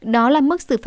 đó là mức sự phạt